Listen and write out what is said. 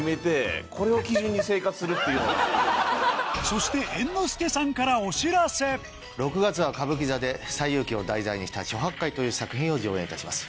そして猿之助さんからお知らせ６月は歌舞伎座で『西遊記』を題材にした『猪八戒』という作品を上演いたします。